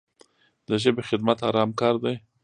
د ژبې خدمت ارام کار دی.